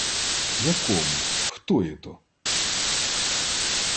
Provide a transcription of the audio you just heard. — Якому? Хто є то?